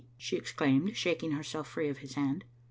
she exclaimed, shak ing herself free of his hand.